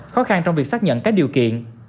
khó khăn trong việc xác nhận các điều kiện